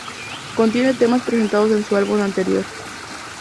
Contiene temas presentes en su álbum anterior.